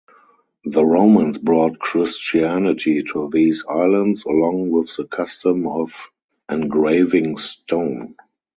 The Romans brought Christianity to these islands, along with the custom of engraving stone.